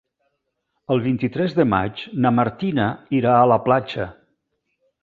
El vint-i-tres de maig na Martina irà a la platja.